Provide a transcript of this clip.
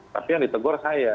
tapi yang ditegor saya